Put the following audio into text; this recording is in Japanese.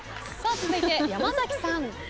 続いて山崎さん。